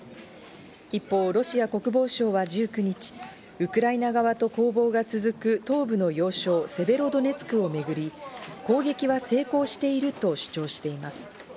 一方、ロシア国防省は１９日、ウクライナ側と攻防が続く東部の要衝セベロドネツクをめぐり、攻撃は成功していると主張しています。